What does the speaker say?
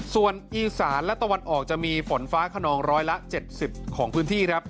ส่วนอีสานและตะวันออกจะมีฝนฟ้าขนองร้อยละ๗๐ของพื้นที่ครับ